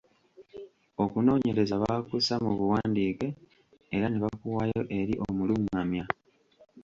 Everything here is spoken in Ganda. Okunoonyereza baakussa mubuwandiike era nebakuwaayo eri omulungamya.